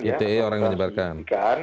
ite orang yang menyebarkan